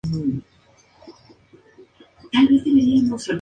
Con su mujer, abrió un club en Los Ángeles a mediados de los setenta.